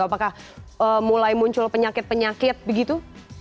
apakah mulai muncul penyakit penyakit begitu